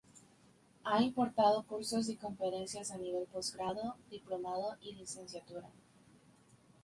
Ha impartido cursos y conferencias a nivel posgrado, diplomado y licenciatura.